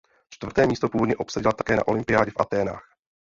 Čtvrté místo původně obsadila také na olympiádě v Athénách.